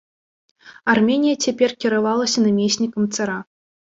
Арменія цяпер кіравалася намеснікам цара.